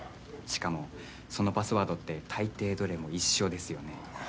しかもそのパスワードって大抵どれも一緒ですよね？